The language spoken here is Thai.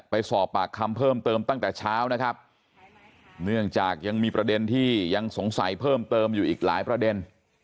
ไปสอบปากคำเพิ่มเติมตั้งแต่เช้านะครับเนื่องจากยังมีประเด็นที่ยังสงสัยเพิ่มเติมอยู่อีกหลายประเด็น